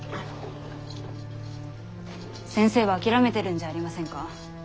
先生は諦めてるんじゃありませんか？